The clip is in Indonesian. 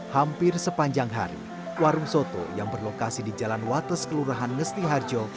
hampir sepanjang hari warung soto yang berlokasi di jalan wates kelurahan ngesti harjo